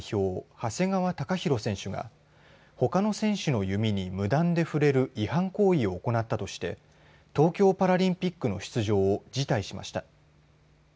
長谷川貴大選手がほかの選手の弓に無断で触れる違反行為を行ったとして東京パラリンピックの出場を辞退しました。